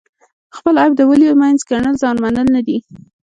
خپل عیب د ولیو منځ ګڼل ځان منل نه دي.